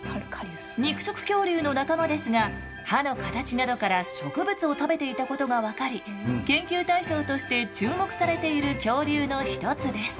肉食恐竜の仲間ですが歯の形などから植物を食べていたことが分かり研究対象として注目されている恐竜の一つです。